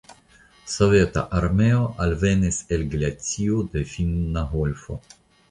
Soveta armeo alvenis el glacio de Finna golfo.